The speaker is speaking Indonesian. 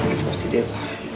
itu pasti dia pak